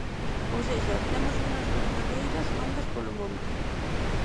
Ou sexa, temos unhas verdadeiras mandas polo monte.